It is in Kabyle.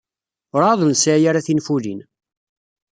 Werɛad ur nesɛi ara tinfulin.